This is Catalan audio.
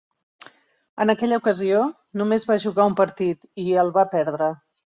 En aquella ocasió, només va jugar un partit i el va perdre.